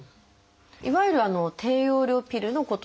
いわゆる低用量ピルのことですよね。